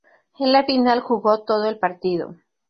En la final, jugó todo el partido.